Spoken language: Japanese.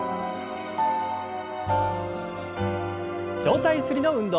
上体ゆすりの運動。